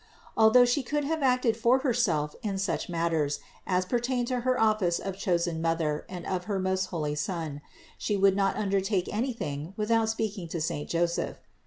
Although She could have acted for Herself in such matters as pertained to her office of chosen Mother and of her most holy Son, She would not undertake anything without speaking to saint Joseph.